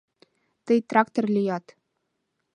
Тый трактор лият.